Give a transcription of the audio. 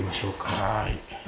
はい。